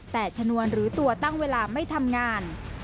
แต่ชนวนหรือตัวตั้งเวลาไม่ทำงาน